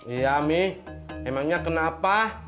iya mi emangnya kenapa